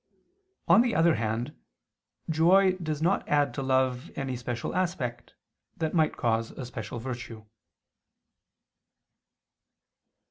On the other hand joy does not add to love any special aspect, that might cause a special virtue.